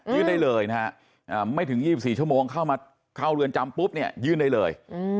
ยื่นได้เลยนะไม่ถึง๒๔ชมเข้ามาเข้าเลือนจำปุ๊บยื่นได้เลย